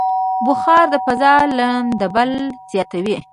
بخار د فضا لندبل زیاتوي.